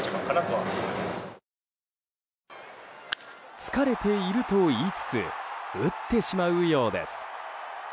疲れていると言いつつ打ってしまうようです。